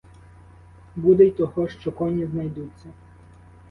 Буде й того, що коні знайдуться!